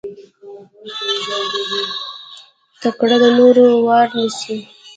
تکړه د نورو وار نيسي.